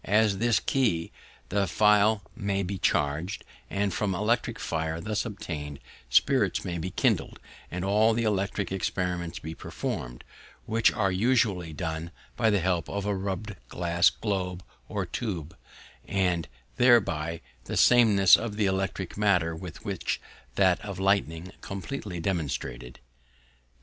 At this key the phial may be charged; and from electric fire thus obtained, spirits may be kindled, and all the electric experiments be performed, which are usually done by the help of a rubbed glass globe or tube, and thereby the sameness of the electric matter with that of lightning completely demonstrated.